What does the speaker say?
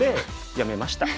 やめました？